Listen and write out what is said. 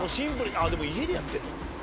あっでも家でやってんの？